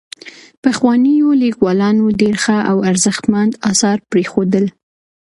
پخوانيو ليکوالانو ډېر ښه او ارزښتمن اثار پرېښودل.